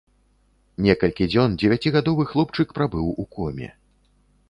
Некалькі дзён дзевяцігадовы хлопчык прабыў у коме.